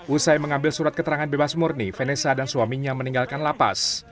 usai mengambil surat keterangan bebas murni vanessa dan suaminya meninggalkan lapas